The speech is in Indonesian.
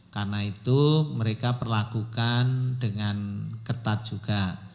karena itu mereka perlakukan dengan ketat juga